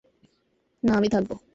না, আমি থাকবো।